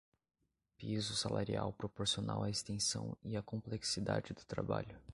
piso salarial proporcional à extensão e à complexidade do trabalho;